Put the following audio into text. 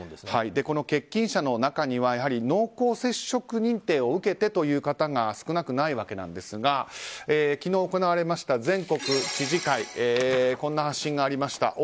この欠勤者の中には濃厚接触認定を受けてという方が少なくないわけなんですが昨日行われました全国知事会こんな発信がありました。